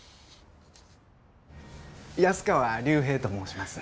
安川龍平と申します。